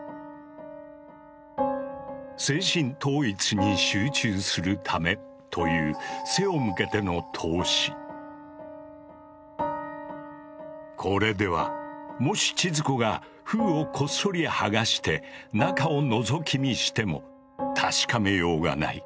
精神統一に集中するためというこれではもし千鶴子が封をこっそり剥がして中をのぞき見しても確かめようがない。